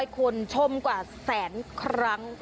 คนชมกว่าแสนครั้ง